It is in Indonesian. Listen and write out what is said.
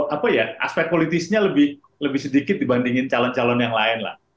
karena kan aspek politisnya lebih sedikit dibandingin calon calon yang lain lah